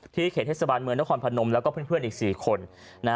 เขตเทศบาลเมืองนครพนมแล้วก็เพื่อนอีก๔คน